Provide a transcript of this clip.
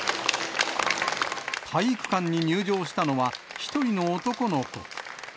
体育館に入場したのは、１人の男の子。